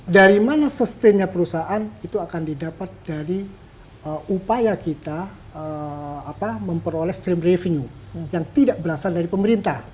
dari mana sustainnya perusahaan itu akan didapat dari upaya kita memperoleh stream revenue yang tidak berasal dari pemerintah